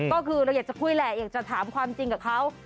ก็คือเราอยากจะคุยแหละอยากจะถามความจริงกับเขา